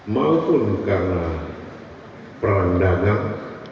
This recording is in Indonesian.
maupun karena peran dagang